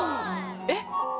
えっ？